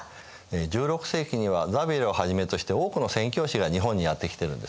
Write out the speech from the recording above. １６世紀にはザビエルをはじめとして多くの宣教師が日本にやって来てるんですね。